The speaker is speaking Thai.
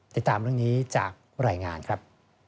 ติดตามเรื่องนี้จากรายงานครับ